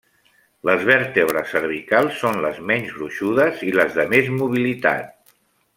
Les vèrtebres cervicals són les menys gruixudes i les de més mobilitat.